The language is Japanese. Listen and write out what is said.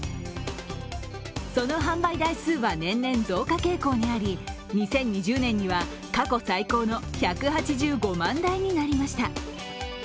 その販売台数は年々増加傾向にあり、２０２０年には過去最高の１８５万台になりました。